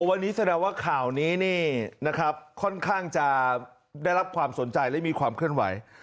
วันนี้แสดงว่าข่าวนี้นี่นะครับค่อนข้างจะได้รับความสนใจและมีความเคลื่อนไหว